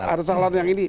ada calon yang ini